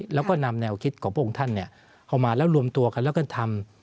แล้วก็นำแนวคิดของพระองค์ท่านเอามาแล้วรวมตัวกันแล้วก็ทำ